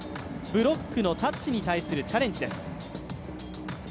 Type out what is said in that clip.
ブロックのタッチに対するチャレンジです。